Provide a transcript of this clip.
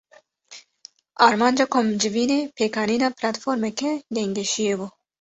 Armanca komcivînê, pêkanîna platformeke gengeşiyê bû